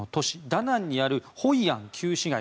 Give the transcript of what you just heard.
ダナンにあるホイアン旧市街